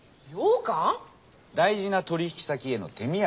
大事な取引先への手土産。